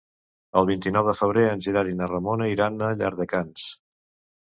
El vint-i-nou de febrer en Gerard i na Ramona iran a Llardecans.